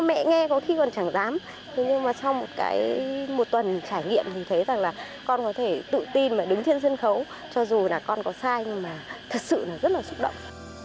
mẹ nghe có khi còn chẳng giám thế nhưng mà trong cái một tuần trải nghiệm thì thấy rằng là con có thể tự tin là đứng trên sân khấu cho dù là con có sai nhưng mà thật sự là rất là xúc động